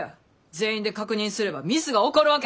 全員で確認すればミスが起こるわけあらへん。